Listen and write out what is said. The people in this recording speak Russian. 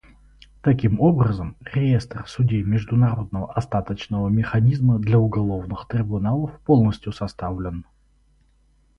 Таким образом, реестр судей Международного остаточного механизма для уголовных трибуналов полностью составлен.